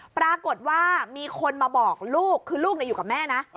ปรากฏว่ามีคนมาบอกลูกคือลูกอยู่กับแม่นะ